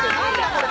これ。